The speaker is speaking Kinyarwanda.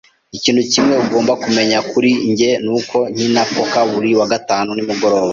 Ikintu kimwe ugomba kumenya kuri njye nuko nkina poker buri wa gatanu nimugoroba.